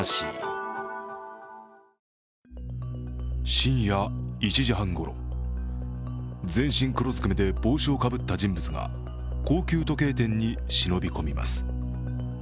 深夜１時半ごろ、全身黒ずくめで帽子をかぶった人物が高級時計店に忍び込みます。